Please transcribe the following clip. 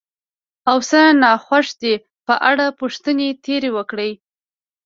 او څه ناخوښ دي په اړه پوښتنې ترې وکړئ،